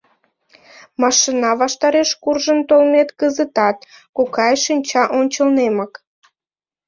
— Машина ваштареш куржын толмет кызытат, кокай, шинча ончылнемак.